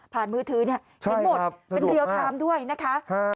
ผ่านมือถือเนี่ยเห็นหมดเป็นเรียวคลามด้วยนะคะ